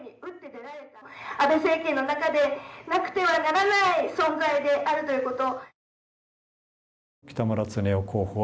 安倍政権の中でなくてはならない存在であるということ。